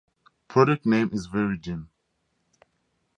Product name is Veregen.